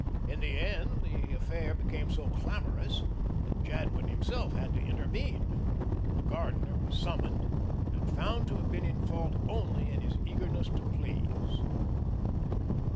In the end the affair became so clamourous that Jadwin himself had to intervene. The gardener was summoned and found to have been in fault only in his eagerness to please.